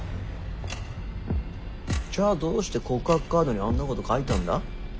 じゃあどうして告白カードにあんなこと書いたんだ？